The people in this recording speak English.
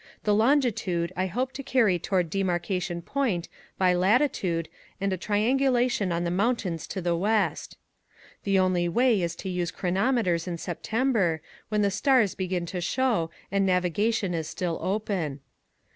The longitude I hope to carry toward Demarcation Point by latitude and a triangulation on the mountains to the west. The only way is to use chronometers in September, when the stars begin to show and navigation is still open.